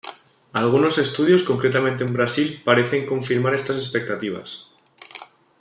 Algunos estudios, concretamente en Brasil, parecen confirmar estas expectativas.